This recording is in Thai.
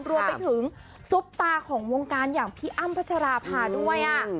รวมไปถึงซุปตาของวงการอย่างพี่อ้ำพัชราภาด้วย